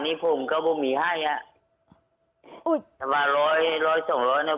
นี้ผมก็ไม่มีให้อ่ะอุ๊ยถ้าว่าร้อยร้อยสองร้อยน่ะ